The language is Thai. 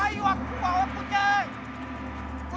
มันไม่มาแล้ว